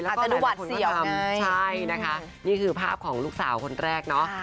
แล้วก็หลายคนก็ทำใช่นะคะนี่คือภาพของลูกสาวคนแรกเนอะ